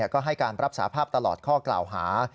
ก็ให้การรับสาภาพตลอดข้อกล่าวหา